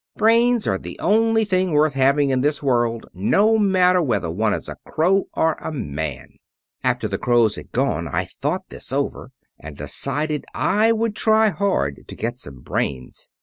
Brains are the only things worth having in this world, no matter whether one is a crow or a man.' "After the crows had gone I thought this over, and decided I would try hard to get some brains.